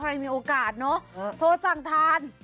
ใครมีโอกาสโทรสั่งทาน